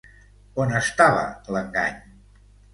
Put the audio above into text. On estava l'engany?